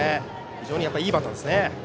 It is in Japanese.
非常にいいバッターですね。